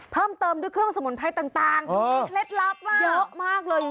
เพิ่มเติมด้วยเครื่องสมุนไพรต่างมีเคล็ดลับเยอะมากเลย